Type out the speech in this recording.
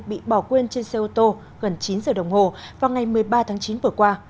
bị bỏ quên trên xe ô tô gần chín giờ đồng hồ vào ngày một mươi ba tháng chín vừa qua